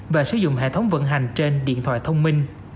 và sử dụng hệ thống vận hành trên điện thoại thông minh